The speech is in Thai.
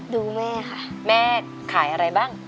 ดูแม่ค่ะแม่ขายอะไรบ้าง